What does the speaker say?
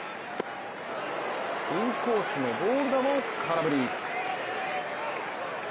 インコースのボール球を空振り。